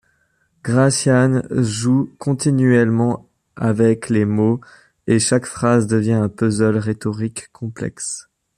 Gracián joue continuellement avec les mots et chaque phrase devient un puzzle rhétorique complexe.